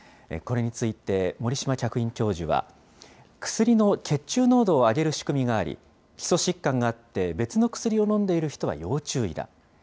これについて、森島客員教授は、薬の血中濃度を上げる仕組みがあり、基礎疾患があって、別の薬を飲んでいる人は要注意だ。